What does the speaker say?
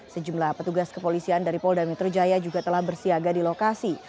sejumlah petugas kepolisian dari polda metro jaya juga telah bersiaga di lokasi